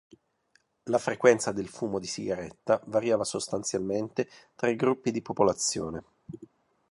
La frequenza del fumo di sigaretta variava sostanzialmente tra i gruppi di popolazione.